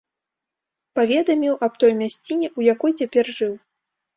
Паведаміў аб той мясціне, у якой цяпер жыў.